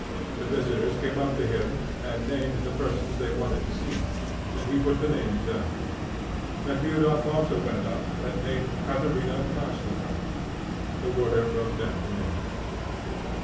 The visitors came up to him, and named the persons they wanted to see, and he put the names down. Nekhludoff also went up, and named Katerina Maslova. The warder wrote down the name.